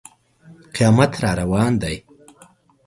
قیامت را روان دی.